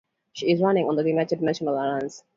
She is running under the United Nationalist Alliance.